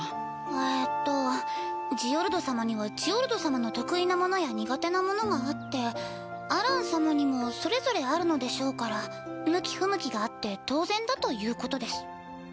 えっとジオルド様にはジオルド様の得意なものや苦手なものがあってアラン様にもそれぞれあるのでしょうから向き不向きがあって当然だということです。